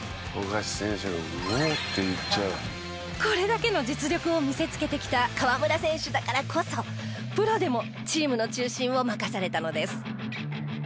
これだけの実力を見せつけてきた河村選手だからこそプロでもチームの中心を任されたのです。